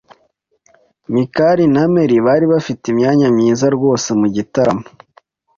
Mikali na Mary bari bafite imyanya myiza rwose mugitaramo.